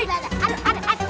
aduh aduh aduh